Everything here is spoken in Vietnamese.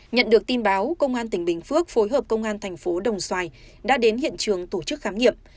nhận được tin báo công an tỉnh bình phước phối hợp công an thành phố đồng xoài đã đến hiện trường tổ chức khám nghiệm